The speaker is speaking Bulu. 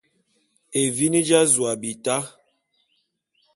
Evini dja’azu a bita.